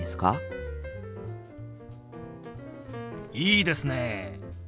いいですね！